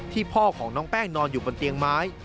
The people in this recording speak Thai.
พ่อของน้องแป้งนอนอยู่บนเตียงไม้